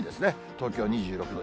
東京２６度。